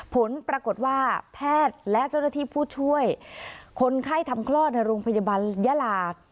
ผลปรากฏว่าแพทย์และเจ้าหน้าที่ผู้ช่วยคนไข้ทำคลอดในโรงพยาบาลยาลา